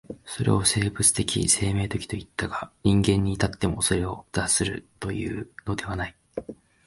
それを生物的生命的といったが、人間に至ってもそれを脱するというのではない。